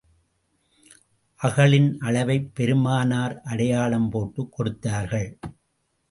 அகழின் அளவைப் பெருமானார் அடையாளம் போட்டுக் கொடுத்தார்கள்.